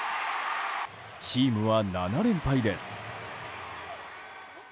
チームは７連敗です。